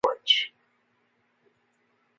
Might May the mouse move in March?